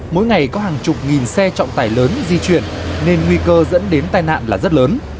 mỗi ngày có hàng chục nghìn xe trọng tải lớn di chuyển nên nguy cơ dẫn đến tai nạn là rất lớn